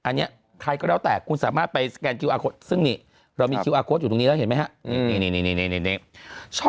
หรืออะไรทีนี้คุณสามารถเป็นรูปคอร์ดดีนะครับ